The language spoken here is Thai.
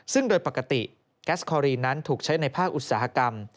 ซึ่งโดยปกติแก๊สคอรีนนั้นถูกใช้ในภาคอุตสาหกรรม